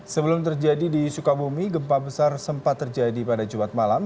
sebelum terjadi di sukabumi gempa besar sempat terjadi pada jumat malam